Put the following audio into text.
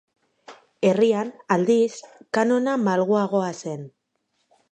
Herrian, aldiz, kanona malguagoa zen.